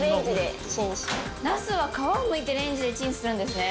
ナスは皮をむいてレンジでチンするんですね。